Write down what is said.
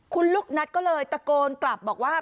คุณลูกนัทก็เลยตะโกนกลับบอกว่า